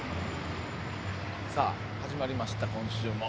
さあ、始まりました今週も。